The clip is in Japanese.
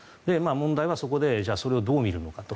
問題はそこでそれをどう見るのかと。